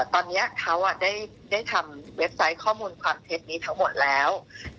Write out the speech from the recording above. ตอนนี้เขาได้ทำเว็บไซต์ข้อมูลความเท็จนี้ทั้งหมดแล้ว